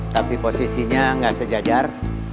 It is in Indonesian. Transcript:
tapi posisinya gak sejajar